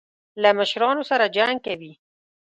له مشرانو سره جنګ کوي.